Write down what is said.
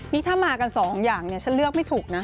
นี่ถ้ามากันสองอย่างเนี่ยฉันเลือกไม่ถูกนะ